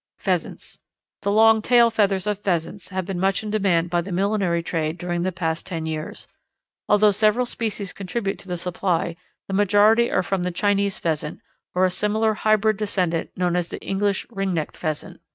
Pheasants. The long tail feathers of Pheasants have been much in demand by the millinery trade during the past ten years. Although several species contribute to the supply, the majority are from the Chinese Pheasant, or a similar hybrid descendent known as the English Ring necked Pheasant.